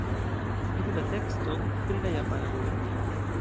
Vidu la tekston pri la japanaj gubernioj.